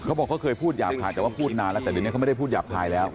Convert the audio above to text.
เขาบอกเขาเคยพูดหยาบคายแต่ว่าพูดนานแล้วแต่เดี๋ยวนี้เขาไม่ได้พูดหยาบคายแล้ว